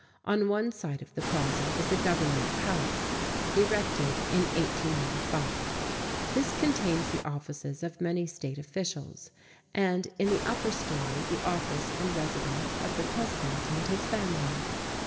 On one side of the plaza is the Government Palace, erected in 1885. This contains the offices of many state officials, and, in the upper story, the office and residence of the president and his family.